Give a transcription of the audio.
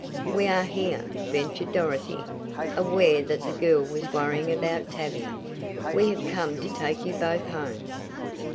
"We are here," ventured Dorothy, aware that the girl was worrying about Tavia. "We have come to take you both home."